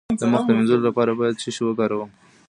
د مخ د مینځلو لپاره باید څه شی وکاروم؟